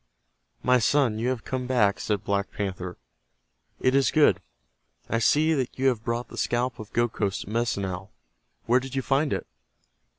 "My son, you have come back," said Black Panther. "It is good. I see that you have brought the scalp of Gokhos, the Medicine Owl. Where did you find it!"